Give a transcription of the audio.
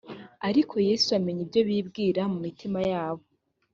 ariko yesu amenya ibyo bibwira mu mitima yabo